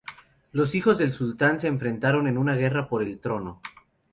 Los hijos del sultán se enfrentaron en una guerra por el trono.